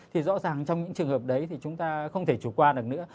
thì rõ ràng trong những trường hợp đấy thì chúng ta không thể chủ quan được nữa